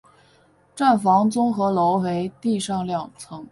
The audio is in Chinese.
站房综合楼为地上两层。